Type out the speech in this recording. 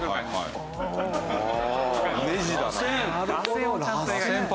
らせんをちゃんと描いて。